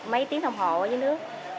mấy tiếng thông hồ dưới nước